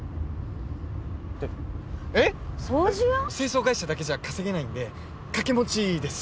清掃会社だけじゃ稼げないんで掛け持ちです。